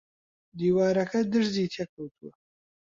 دیوارەکە درزی تێ کەوتووە